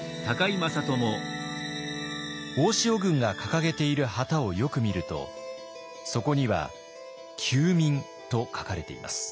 大塩軍が掲げている旗をよく見るとそこには「救民」と書かれています。